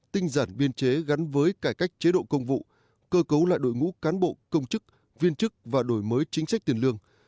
tinh giản biên chế gắn với cải cách chế độ công vụ cơ cấu lại đội ngũ cán bộ công chức viên chức và đổi mới chính sách tiền lương